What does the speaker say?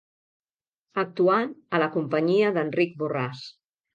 Actuà a la companyia d'Enric Borràs.